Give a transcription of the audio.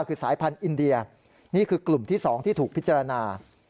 คือสายพันธุ์อินเดียนี่คือกลุ่มที่๒ที่ถูกพิจารณา